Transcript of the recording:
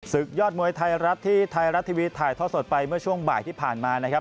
ยอดมวยไทยรัฐที่ไทยรัฐทีวีถ่ายทอดสดไปเมื่อช่วงบ่ายที่ผ่านมานะครับ